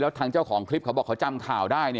ทางเจ้าของคลิปเขาบอกเขาจำข่าวได้